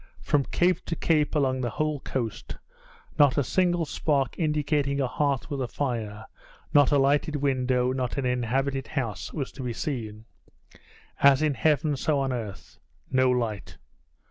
From cape to cape, along the whole coast, not a single spark indicating a hearth with a fire, not a lighted window, not an inhabited house, was to be seen. As in heaven, so on earth no light.